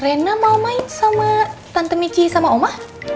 rena mau main sama tante michi sama omah